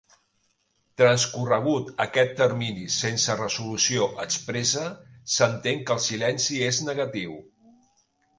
Transcorregut aquest termini sense resolució expressa, s'entén que el silenci és negatiu.